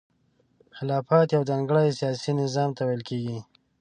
خلافت یو ځانګړي سیاسي نظام ته ویل کیږي.